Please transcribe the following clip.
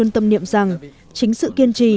tâm niệm rằng chính sự kiên trì